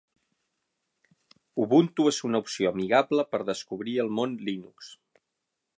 Ubuntu es una opció amigable per descobrir el mon Linux